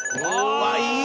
うわっいい！